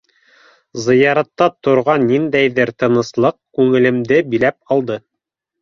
Зыяратта торғанда ниндәйҙер тыныслыҡ күңелемде биләп алды.